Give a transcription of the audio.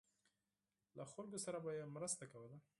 له خلکو سره به یې مرسته کوله.